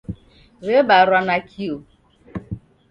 W'ebarwa nakio.